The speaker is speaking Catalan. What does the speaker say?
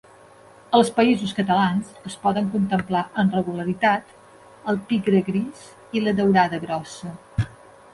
Als Països Catalans es poden contemplar amb regularitat el pigre gris i la daurada grossa.